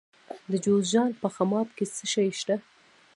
د جوزجان په خماب کې څه شی شته؟